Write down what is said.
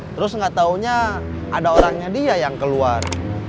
terus nggak tahunya ada orangnya dia yang keluar